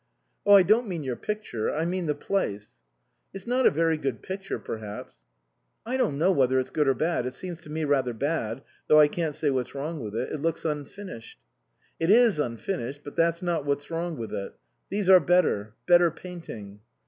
" Oh, I don't mean your picture I mean the place." " It's not a very good picture perhaps "" I don't know whether it's good or bad ; it seems to me rather bad, though I can't say what's wrong with it. It looks unfinished." " It is unfinished, but that's not what's wrong with it. These are better better painting."